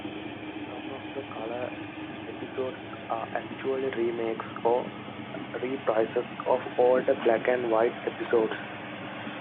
Some of the colour episodes are actually remakes or reprises of older black-and-white episodes.